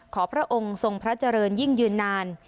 พระองค์ทรงพระเจริญยิ่งยืนนาน